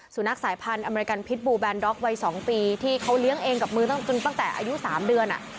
สุนัขสายพันธุ์อเมริกันพิษบูแบนด๊อกวัย๒ปีที่เขาเลี้ยงเองกับมือตั้งจนตั้งแต่อายุ๓เดือน